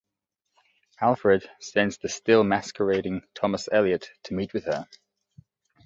Alfred sends the still-masquerading Thomas Elliot to meet with her.